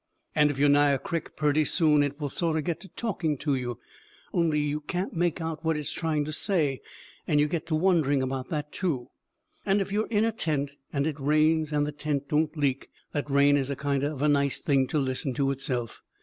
And if you are nigh a crick, purty soon it will sort of get to talking to you, only you can't make out what it's trying to say, and you get to wondering about that, too. And if you are in a tent and it rains and the tent don't leak, that rain is a kind of a nice thing to listen to itself.